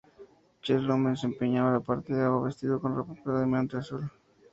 Chisholm desempeña la parte de agua, vestido con ropa predominantemente azul.